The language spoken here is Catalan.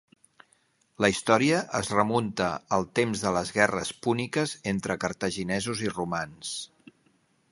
La història es remunta al temps de les Guerres púniques entre cartaginesos i romans.